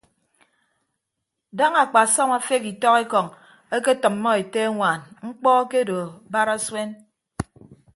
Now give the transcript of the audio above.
Daña akpasọm afeghe itọk ekọñ eketʌmmọ ete añwaan mkpọ akedo barasuen.